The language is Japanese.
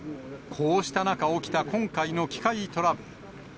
こうした中起きた今回の機械トラブル。